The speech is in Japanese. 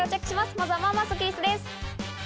まずはまあまあスッキりすです。